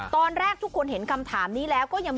ตอนแรกทุกคนเห็นคำถามนี้แล้ว